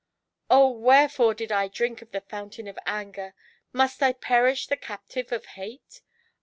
" Oh, wherefore did I drink of the fountain of Anger, — must 1 perish the captive of Hate